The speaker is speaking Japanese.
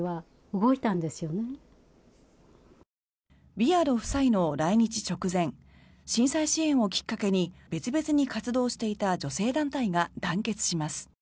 ビアード夫妻の来日直前震災支援をきっかけに別々に活動していた女性団体が団結します。